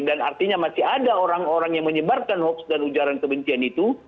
dan artinya masih ada orang orang yang menyebarkan hoax dan ujaran kebencian itu